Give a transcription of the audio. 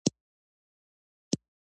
چې د محققینو په استناد یې جعلي بولم.